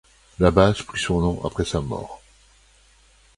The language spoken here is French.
La base prit son nom après sa mort.